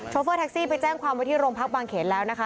เฟอร์แท็กซี่ไปแจ้งความไว้ที่โรงพักบางเขนแล้วนะคะ